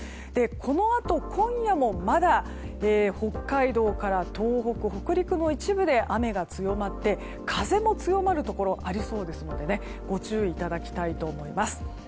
このあと今夜もまだ北海道から東北、北陸の一部で雨が強まって風も強まるところがありそうですのでご注意いただきたいと思います。